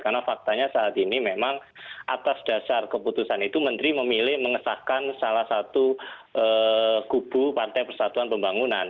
karena faktanya saat ini memang atas dasar keputusan itu menteri memilih mengesahkan salah satu kubu pantai persatuan pembangunan